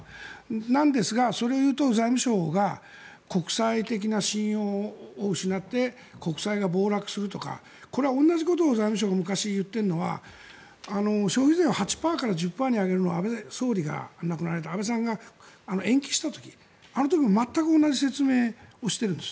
なんですがそれを言うと財務省が国際的な信用を失って国債が暴落するとかこれは同じことを財務省が昔、言っているのは消費税が８％から１０％に上げるのが安倍さんが亡くなられた時安倍さんが延期した時あの時も全く同じ説明をしているんです。